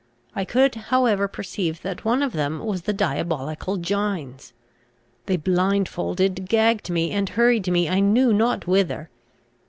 I could however perceive that one of them was the diabolical Gines. They blindfolded, gagged me, and hurried me I knew not whither.